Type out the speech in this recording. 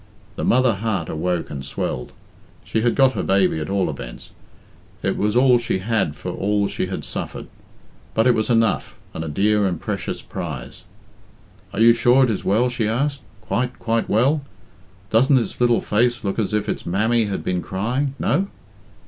The mother heart awoke and swelled. She had got her baby, at all events. It was all she had for all she had suffered; but it was enough, and a dear and precious prize. "Are you sure it is well?" she asked. "Quite, quite well? Doesn't its little face look as if its mammy had been crying no?"